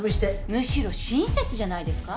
むしろ親切じゃないですか？